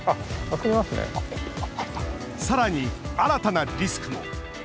さらに、新たなリスクも。